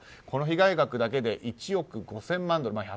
この被害額だけで１億５０００万ドル。